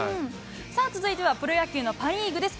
続いては、プロ野球のパ・リーグです。